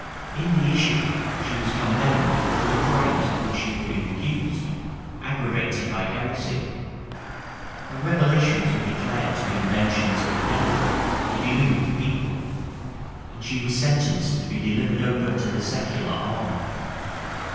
In the issue, she was condemned for all the crimes of which she had been accused, aggravated by heresy; her revelations were declared to be inventions of the devil to delude the people; and she was sentenced to be delivered over to the secular arm.